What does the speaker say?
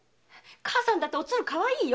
母さんもおつるはかわいいよ。